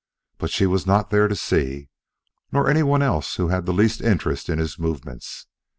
But she was not there to see; nor anyone else who had the least interest in his movements.